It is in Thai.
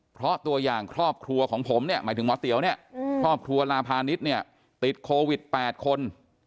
เพราะตัวอย่างครอบครัวของผมหมายถึงหมอเตี๋ยวครอบครัวราภาณิชย์ติดโควิด๘คน